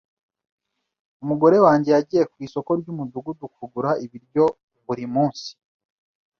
Umugore wanjye yagiye ku isoko ryumudugudu kugura ibiryo buri munsi.